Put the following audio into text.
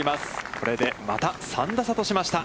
これでまた３打差としました。